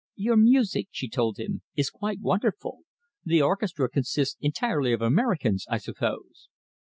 "Your music," she told him, "is quite wonderful. The orchestra consists entirely of Americans, I suppose?"